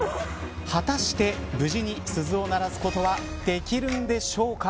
果たして、無事に鈴を鳴らすことはできるんでしょうか。